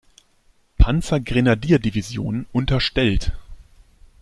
Panzergrenadierdivision unterstellt.